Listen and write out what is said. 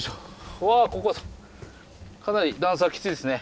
うわここかなり段差きついですね。